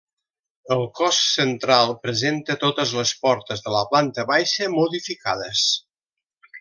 El cos central presenta totes les portes de la planta baixa modificades.